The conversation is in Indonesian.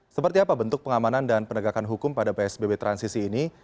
seperti apa bentuk pengamanan dan penegakan hukum pada psbb transisi ini